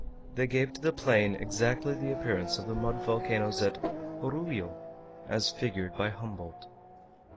They gave to the plain exactly the appearance of the mud volcanos at Jorullo, as figured by Humboldt.